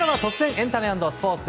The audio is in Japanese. エンタメ＆スポーツ。